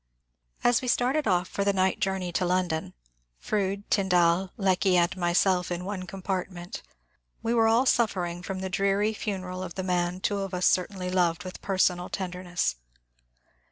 As we started off for the night journey to London — Froude, Tyndall, Lecky, and myself in one compartment — we were all suffering from the dreaiy funeral of the man two of us certainly loved with personal tenderness.